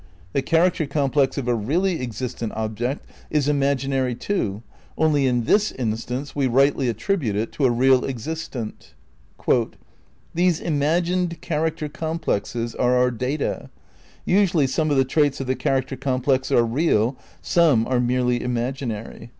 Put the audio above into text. The character complex of a really existent object is imag inary too, only in this instance we rightly attribute it to a real existent. "These imagined character complexes are our data. Usually some of the traits of the character complex are real, some are merely imaginary.